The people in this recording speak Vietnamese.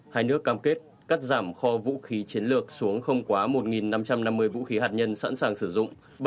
hai nước cam kết cắt giảm kho vũ khí chiến lược xuống không quá một năm trăm năm mươi vũ khí hạt nhân sẵn sàng sử dụng